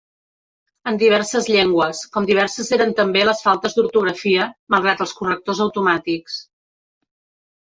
En diverses llengües, com diverses eren també les faltes d'ortografia, malgrat els correctors automàtics.